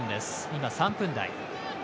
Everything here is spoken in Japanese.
今３分台。